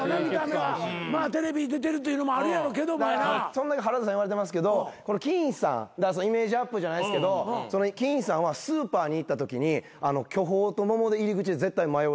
そんなに原田さん言われてますけどきんさんイメージアップじゃないっすけどきんさんはスーパーに行ったときに巨峰と桃で入り口で絶対迷うらしいです。